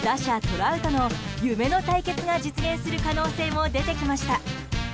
トラウトの夢の対決が実現する可能性も出てきました。